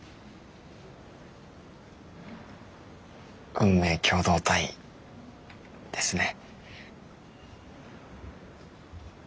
運命共同体ですね。